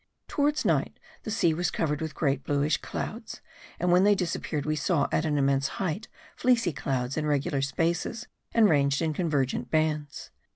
Towards night the sea was covered with great bluish clouds; and when they disappeared we saw, at an immense height, fleecy clouds in regular spaces, and ranged in convergent bands.